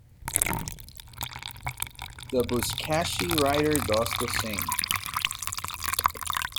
The Buzkashi rider does the same.